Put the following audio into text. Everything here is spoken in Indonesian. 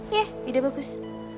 ya dia bagus